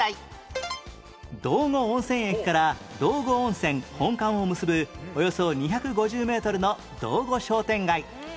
道後温泉駅から道後温泉本館を結ぶおよそ２５０メートルの道後商店街